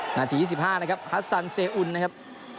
หน้าทีสิบห้านะครับฮัสซันเซอุลนะครับ